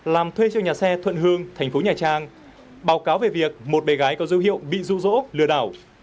làm thuê cho nhà xe thuận hương thành phố nhà trang báo cáo về việc một bé gái có dấu hiệu bị rụ rỗ lừa đảo